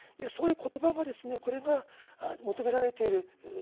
そういう「言葉」がですねこれが求められている。